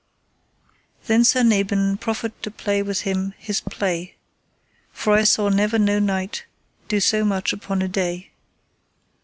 Then Sir Nabon proffered to play with him his play: For I saw never no knight do so much upon a day.